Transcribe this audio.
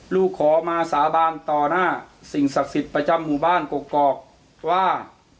ลูกขอมาสาบานต่อหน้าสิ่งศักดิ์สิทธิ์ประจำหมู่บ้านกกอกว่า